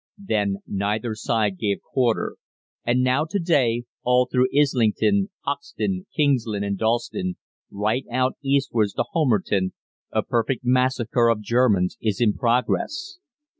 Then neither side gave quarter, and now to day, all through Islington, Hoxton, Kingsland, and Dalston, right out eastwards to Homerton, a perfect massacre of Germans is in progress.